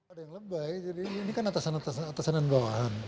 ada yang lebay jadi ini kan atasan atasan dan bawahan